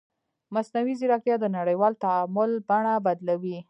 مصنوعي ځیرکتیا د نړیوال تعامل بڼه بدلوي.